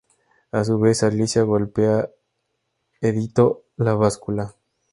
A su vez Alicia Golpea editó "La Báscula.